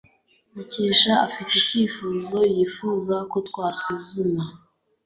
Mukesha afite icyifuzo yifuza ko twasuzuma.